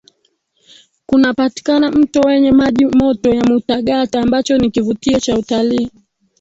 Kunapatikana mto wenye maji moto ya Mutagata ambacho ni kivutio cha utalii